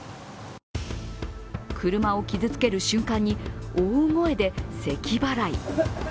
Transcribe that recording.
車を傷つける瞬間に、大声でせき払い。